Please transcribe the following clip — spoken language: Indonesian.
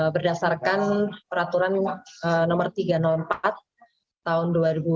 berdasarkan peraturan nomor tiga ratus empat tahun dua ribu dua puluh